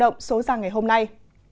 báo động số ra ngày hôm nay